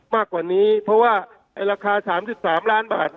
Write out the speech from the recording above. มากกว่านี้เพราะว่าราคา๓๓ล้านบาท